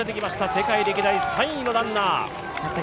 世界歴代３位のランナー。